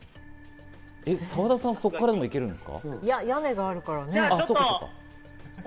澤田さん、そこからいけるん屋根があるからね。